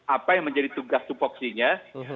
apa yang menjadi tugas tupoksinya